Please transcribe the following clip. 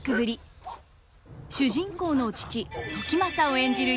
主人公の父時政を演じる